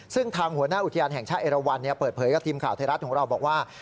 ซึ่งทางหัวหน้าอุทยานแห่งชาติเอราวันเปิดเผยกับทีมข่าวไทยรัฐของเราบอกว่า